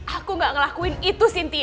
aku gak ngelakuin itu sintia